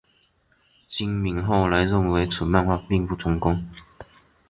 今敏后来认为此漫画并不成功。